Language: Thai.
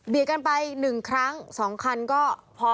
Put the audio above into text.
เบียดกันไปหนึ่งครั้งสองคันก็